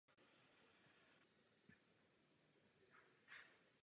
Výškově je stavba ukončena vysokou sedlovou střechou.